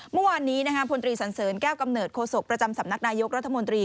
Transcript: เมื่อวานนี้พลตรีสันเสริญแก้วกำเนิดโศกประจำสำนักนายกรัฐมนตรี